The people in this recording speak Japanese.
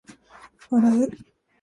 笑う